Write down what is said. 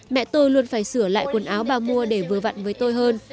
mẹ tôi luôn phải sửa lại quần áo bà mua để vừa vặn